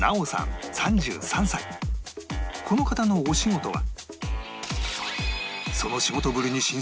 この方のお仕事は